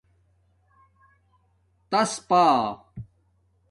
تاس پݳ